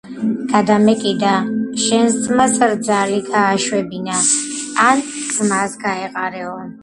გადამეკიდა შენს ძმას რძალი გააშვებინე ან ძმას გაეყარეო